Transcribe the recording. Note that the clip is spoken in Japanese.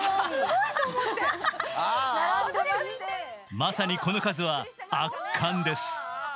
まさにこの数は圧巻です。